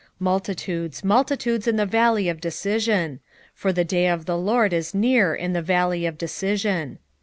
3:14 Multitudes, multitudes in the valley of decision: for the day of the LORD is near in the valley of decision.